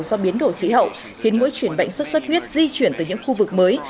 do biến đổi khí hậu khiến mỗi chuyển bệnh xuất xuất huyết di chuyển từ những khu vực mới